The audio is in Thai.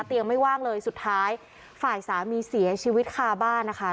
ยังไม่ว่างเลยสุดท้ายฝ่ายสามีเสียชีวิตคาบ้านนะคะ